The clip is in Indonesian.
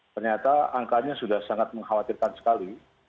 ternyata angkanya sudah sangat mengkhawatirkan sekali